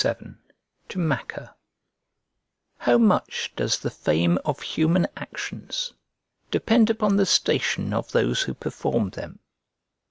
LX VII To MACER How much does the fame of human actions depend upon the station of those who perform them!